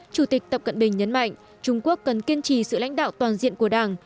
chủ tịch tập cận bình nhấn mạnh trung quốc cần kiên trì sự lãnh đạo toàn diện của đảng